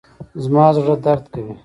زما زړه درد کوي